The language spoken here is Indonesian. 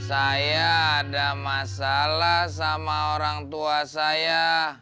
saya ada masalah sama orang tua saya